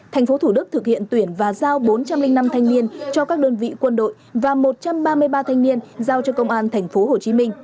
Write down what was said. tp thủ đức thực hiện tuyển và giao bốn trăm linh năm thanh niên cho các đơn vị quân đội và một trăm ba mươi ba thanh niên giao cho công an tp hcm